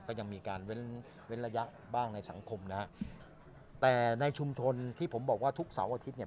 ก็ยังมีการเว้นเว้นระยะบ้างในสังคมนะฮะแต่ในชุมชนที่ผมบอกว่าทุกเสาร์อาทิตย์เนี่ย